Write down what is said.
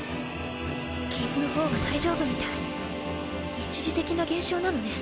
傷の方は大丈夫みたい一時的な現象なのね